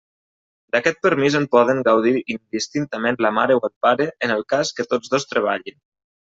D'aquest permís en poden gaudir indistintament la mare o el pare en el cas que tots dos treballin.